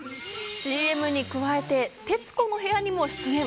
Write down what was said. ＣＭに加えて、『徹子の部屋』にも出演。